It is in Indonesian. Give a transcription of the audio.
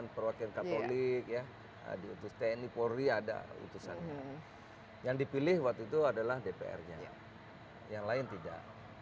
publik ya aduh ternyata ada yang dipilih waktu itu adalah dpr nya yang lain tidak